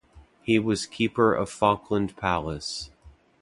He was keeper of Falkland Palace.